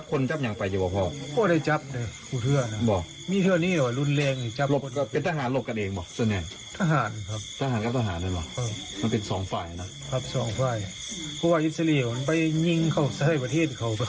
เขาไปฆ่าคนเขาก็ร้ายตะกี้คือแท้